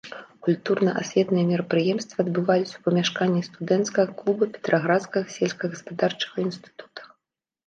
Культурна-асветныя мерапрыемствы адбываліся ў памяшканні студэнцкага клуба петраградскага сельскагаспадарчага інстытута.